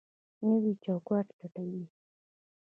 نوی چوکاټ لټوي.